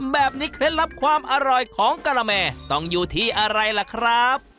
เคล็ดลับความอร่อยของกะละแม่ต้องอยู่ที่อะไรล่ะครับ